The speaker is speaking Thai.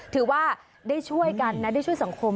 ถือว่าได้ช่วยกันนะได้ช่วยสังคม